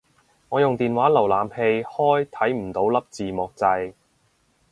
我用電話瀏覽器開睇唔到粒字幕掣